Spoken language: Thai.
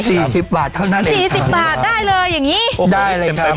สิบบาทเท่านั้นสี่สิบบาทได้เลยอย่างงี้ได้เลยครับ